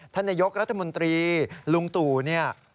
ท่านนายกรัฐมนตรีลุงตู่เนี่ย